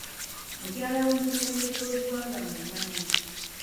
Mukyala w'omukulembeze w'eggwanga mmumanyi